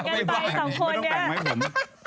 ไม่ต้องแต่งไม้ผม